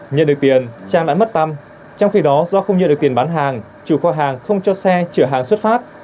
nhận được tiền trang đã mất tâm trong khi đó do không nhận được tiền bán hàng chủ kho hàng không cho xe chở hàng xuất phát